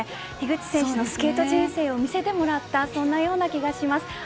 樋口選手のスケート人生を見せてもらったそのような気がします。